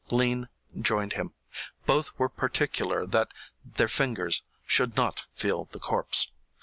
Lean joined him. Both were particular that their fingers should not feel the corpse.